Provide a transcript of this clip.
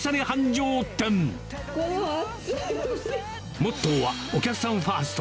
モットーはお客さんファースト。